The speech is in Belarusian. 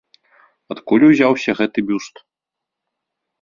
Адкуль узяўся гэты бюст?